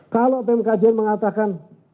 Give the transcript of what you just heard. kalau tim kajian mengatakan